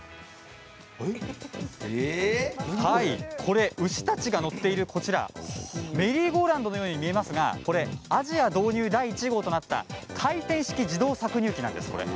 これ牛たちが乗っているこちらメリーゴーラウンドのように見えますがアジア導入第１号となった回転式自動搾乳機なんです。